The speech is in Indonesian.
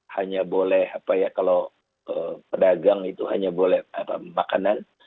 hanya boleh apa ya kalau pedagang itu hanya boleh makanan